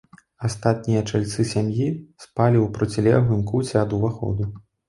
Астатнія чальцы сям'і спалі ў процілеглым куце ад уваходу.